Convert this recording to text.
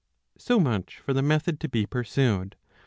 So much for the method to be pursued.